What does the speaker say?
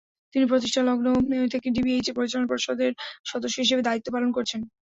তিনি প্রতিষ্ঠালগ্ন থেকেই ডিবিএইচের পরিচালনা পর্ষদের সদস্য হিসেবে দায়িত্ব পালন করছেন।